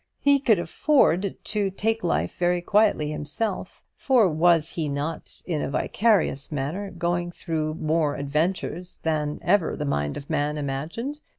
He could afford to take life very quietly himself; for was he not, in a vicarious manner, going through more adventures than ever the mind of man imagined?